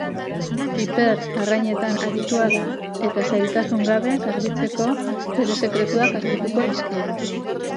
Piper arrainetan aditua da, eta zailtasunik gabe garbitzeko bere sekretuak argituko dizkigu.